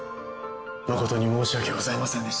誠に申し訳ございませんでし